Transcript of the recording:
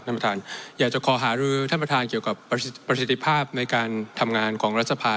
ท่านประธานอยากจะขอหารือท่านประธานเกี่ยวกับประสิทธิภาพในการทำงานของรัฐสภา